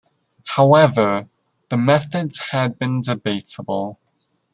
However, the methods had been debatable.